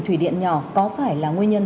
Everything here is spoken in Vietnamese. thủy điện nhỏ có phải là nguyên nhân